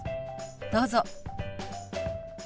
どうぞ。